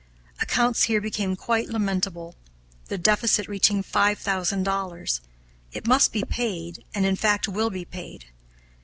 Accounts here became quite lamentable, the deficit reaching five thousand dollars. It must be paid, and, in fact, will be paid.